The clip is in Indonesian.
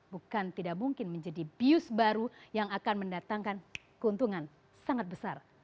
bukan tidak mungkin menjadi bius baru yang akan mendatangkan keuntungan sangat besar